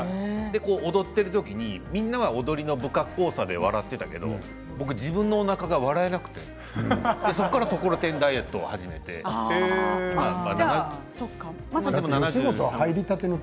踊っている時に、みんな踊りの不格好さで笑ってたけど僕は自分のおなか笑えなくてそれからところてんダイエットを始めました。